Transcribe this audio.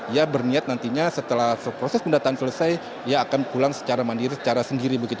ia berniat nantinya setelah proses pendataan selesai dia akan pulang secara mandiri secara sendiri begitu